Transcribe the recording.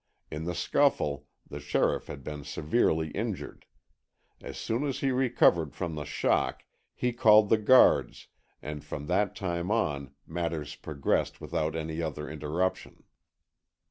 In the scuffle the sheriff had been severely injured. As soon as he recovered from the shock he called the guards and from that time on matters progressed without any other interruption.